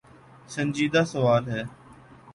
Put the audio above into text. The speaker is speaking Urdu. سنجیدہ سوال ہے۔